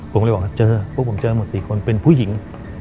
ผมเลยบอกว่าเจอพวกผมเจอหมด๔คนเป็นผู้หญิง